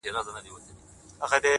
بیا هغه لار ده’ خو ولاړ راته صنم نه دی’